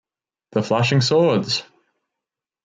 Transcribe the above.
The Flashing Swords!